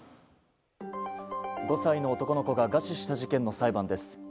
５歳の男の子が餓死した事件の裁判です。